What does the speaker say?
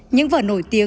những vở nổi tiếng